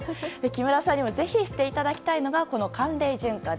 木村さんにもぜひしていただきたいのが寒冷順化。